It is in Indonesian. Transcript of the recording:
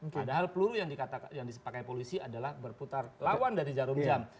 padahal peluru yang dipakai polisi adalah berputar lawan dari jarum jam